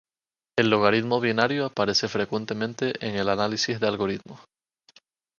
El logaritmo binario aparece frecuentemente en el análisis de algoritmos.